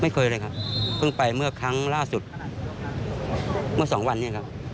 ไม่เคยเลยครับเพิ่งไปเมื่อครั้งล่าสุดเมื่อสองวันนี้ครับ